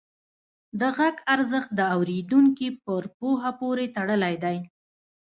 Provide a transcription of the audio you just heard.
د غږ ارزښت د اورېدونکي پر پوهه پورې تړلی دی.